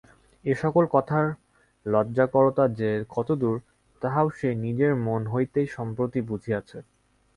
এ-সকল কথার লজ্জাকরতা যে কতদূর, তাহাও সে নিজের মন হইতেই সম্প্রতি বুঝিয়াছে।